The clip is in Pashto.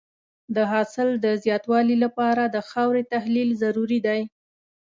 د حاصل د زیاتوالي لپاره د خاورې تحلیل ضروري دی.